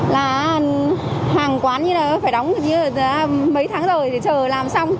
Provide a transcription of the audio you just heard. là hàng quán như là phải đóng mấy tháng rồi để chờ làm xong